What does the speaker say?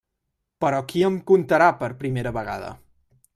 Però qui em contarà per primera vegada?